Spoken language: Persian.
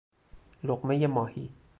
لقمه ماهی